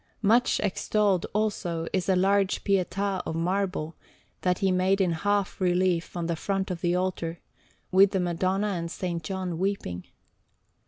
Much extolled, also, is a large Pietà of marble that he made in half relief on the front of the altar, with the Madonna and S. John weeping.